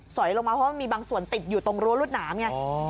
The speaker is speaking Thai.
อยลงมาเพราะว่ามีบางส่วนติดอยู่ตรงรั้วรวดหนามไง